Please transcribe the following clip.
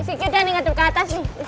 isi q jangan ngitip ke atas nih